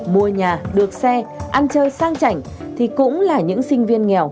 mua nhà được xe ăn chơi sang chảnh thì cũng là những sinh viên nghèo